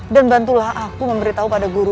dan bantulah aku memberitahu pada gurumu